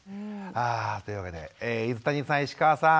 というわけで泉谷さん石川さん